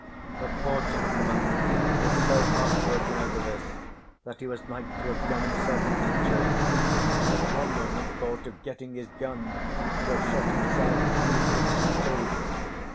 The poor gentleman was so heartbroken over this that he was like to have done himself an injury, and at one moment thought of getting his gun, to have shot himself and his vixen too.